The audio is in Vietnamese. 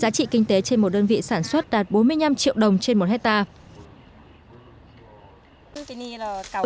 giá trị kinh tế trên một đơn vị sản xuất đạt bốn mươi năm triệu đồng trên một hectare